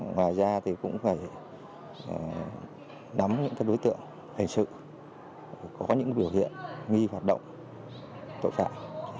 ngoài ra thì cũng phải nắm những đối tượng hình sự có những biểu hiện nghi hoạt động tội phạm